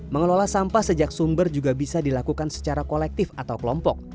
mengelola sampah sejak sumber juga bisa dilakukan secara kolektif atau kelompok